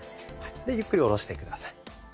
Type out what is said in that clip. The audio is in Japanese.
ゆっくり下ろして下さい。